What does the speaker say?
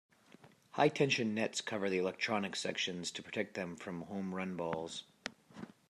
High-tension nets cover the electronic sections to protect them from home run balls.